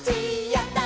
「やった！